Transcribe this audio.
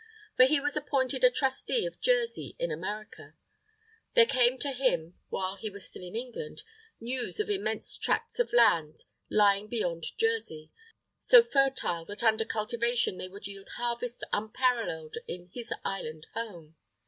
For he was appointed a trustee of Jersey in America. There came to him while he was still in England, news of immense tracts of land lying beyond Jersey, so fertile that under cultivation they would yield harvests unparalleled in his island home.